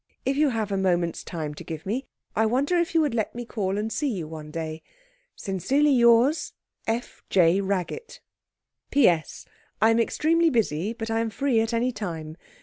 If you have a moment's time to give me, I wonder if you would let me call and see you one day? 'Sincerely yours, 'F. J. RAGGETT 'P.S. I'm extremely busy, but am free at any time.